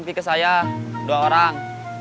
terima kasih komandan